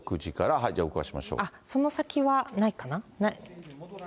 その先はないかな。